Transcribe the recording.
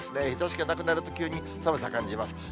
日ざしがなくなると急に寒さ感じます。